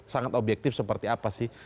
sangat objektif seperti apa sih